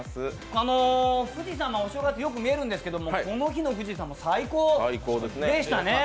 富士山、お正月によく見えるんですけれどもこの日の富士山は最高でしたね。